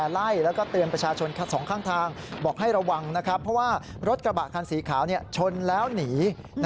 ระวังค่ะระวังรถจอดแล้วหนี